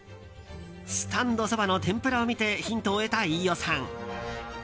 スタンドそばの天ぷらを見てヒントを得た飯尾さん。